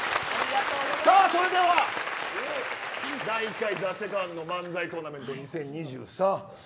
それでは第１回ＴＨＥＳＥＣＯＮＤ漫才トーナメント２０２３